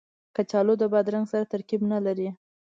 کچالو د بادرنګ سره ترکیب نه لري